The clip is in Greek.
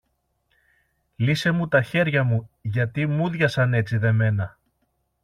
Λύσε μου τα χέρια μου, γιατί μούδιασαν έτσι δεμένα.